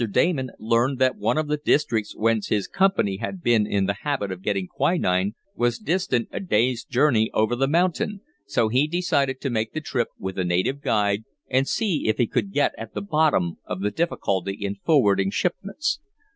Damon learned that one of the districts whence his company had been in the habit of getting quinine was distant a day's journey over the mountain, so he decided to make the trip, with a native guide, and see if he could get at the bottom of the difficulty in forwarding shipments.